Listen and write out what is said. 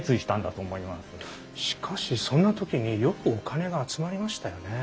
しかしそんな時によくお金が集まりましたよね。